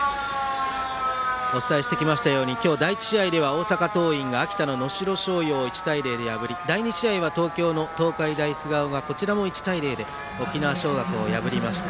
お伝えしてきましたように第１試合では大阪桐蔭が秋田の能代松陽を１対０で破り第２試合は東京の東海大菅生がこちらも１対０で沖縄尚学をやぶりました。